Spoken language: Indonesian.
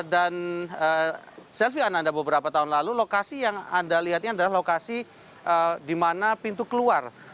dan selfie anda beberapa tahun lalu lokasi yang anda lihatnya adalah lokasi di mana pintu keluar